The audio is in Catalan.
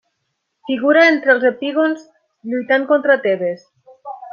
Figura entre els epígons lluitant contra Tebes.